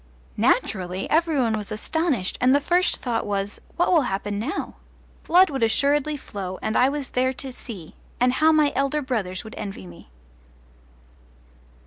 Naturally every one was astonished, and the first thought was, What will happen now? Blood would assuredly flow, and I was there to see and how my elder brothers would envy me!